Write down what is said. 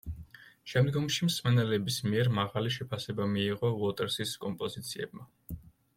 შემდგომში მსმენელების მიერ მაღალი შეფასება მიიღო უოტერსის კომპოზიციებმა.